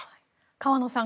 河野さん